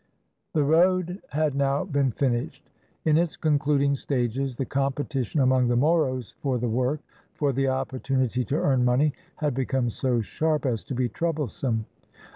The road had now been finished. In its concluding stages the competition among the Moros for the work, for the opportunity to earn money, had become so sharp as to be troublesome.